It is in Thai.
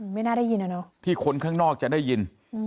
ไม่น่าได้ยินนะเนอะที่คนข้างนอกจะได้ยิน